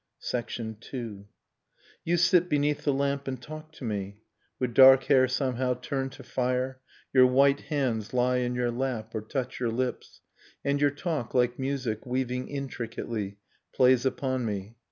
II. You sit beneath the lamp and talk to me. With dark hair somehow turned to fire. Your white hands lie in your lap, or touch your lips, And your talk, like music, weaving intricately. Plays upon me.